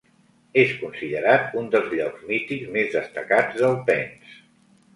És considerat un dels llocs mítics més destacats d'Alpens.